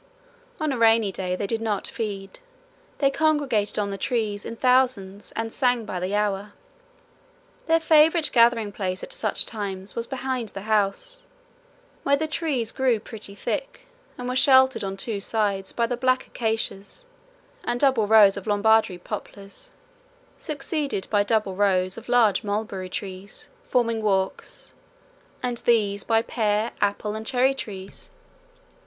On a rainy day they did not feed: they congregated on the trees in thousands and sang by the hour. Their favourite gathering place at such times was behind the house, where the trees grew pretty thick and were sheltered on two sides by the black acacias and double rows of Lombardy poplars, succeeded by double rows of large mulberry trees, forming walks, and these by pear, apple and cherry trees.